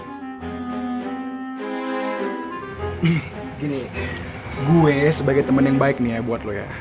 hmm gini gue sebagai temen yang baik nih ya buat lo ya